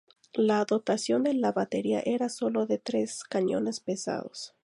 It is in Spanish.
La dotación de la batería era sólo de tres cañones pesados.